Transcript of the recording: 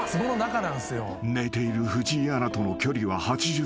［寝ている藤井アナとの距離は８０ｃｍ］